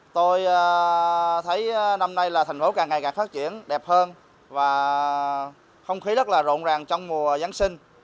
tôi thấy năm nay là thành phố càng ngày càng phát triển đẹp hơn và không khí rất là rộn ràng trong mùa giáng sinh